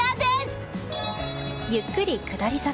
ゆっくり下り坂。